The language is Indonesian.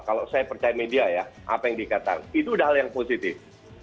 kalau saya percaya media ya apa yang dikatakan itu udah hal yang positif